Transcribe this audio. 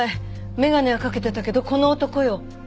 眼鏡はかけてたけどこの男よ。